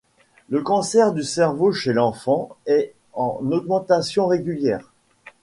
Le cancer du cerveau chez l'enfant est en augmentation régulière.